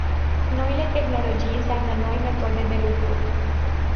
Noile tehnologii înseamnă noi metode de lucru.